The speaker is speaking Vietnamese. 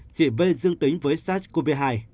chị v dương tính với sars cov hai